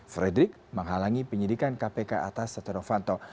frederick menghalangi penyidikan kpk atas setanofanto